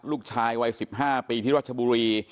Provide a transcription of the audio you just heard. ลูกชายวัย๑๕ปีที่รัชบุรี